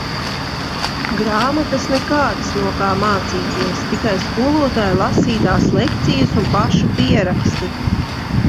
Grāmatas nekādas no kā mācīties, tikai skolotāju lasītās lekcijas un pašu pieraksti.